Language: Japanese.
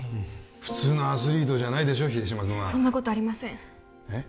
普通のアスリートじゃないでしょ秀島君はそんなことありませんえっ？